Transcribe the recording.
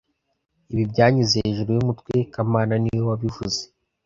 Ibi byanyuze hejuru yumutwe kamana niwe wabivuze